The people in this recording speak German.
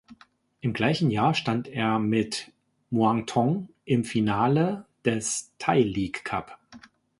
Im gleichen Jahr stand er mit Muangthong im Finale des Thai League Cup.